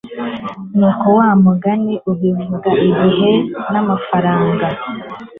nkuko wa mugani ubivuga, igihe ni amafaranga